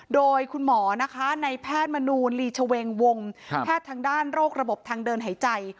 โดยคุณหมอนะคะในแพทย์มนูลลีชเวงวงแพทย์ทางด้านโรคระบบทางเดินหายใจ